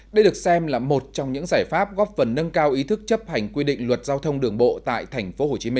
đây được xem là một trong những giải pháp góp phần nâng cao ý thức chấp hành quy định luật giao thông đường bộ tại tp hcm